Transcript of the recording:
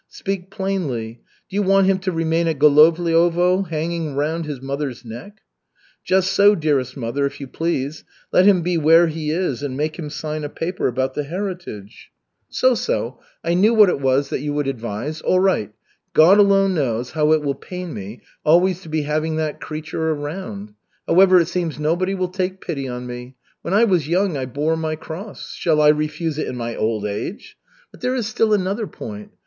Speak plainly. Do you want him to remain at Golovliovo, hanging around his mother's neck?" "Just so, dearest mother, if you please. Let him be where he is and make him sign a paper about the heritage." "So, so. I knew that was what you would advise. All right. God alone knows how it will pain me always to be having that creature around. However, it seems nobody will take pity on me. When I was young I bore my cross. Shall I refuse it in my old age? But there is still another point.